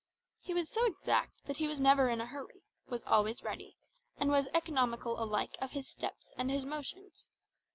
He was so exact that he was never in a hurry, was always ready, and was economical alike of his steps and his motions.